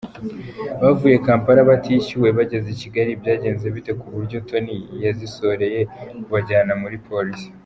Bavuye Kampala batishyuwe, bageze i Kigali byagenze bite kuburyo Tonny yasizoreye kubajyana muri Polisi?.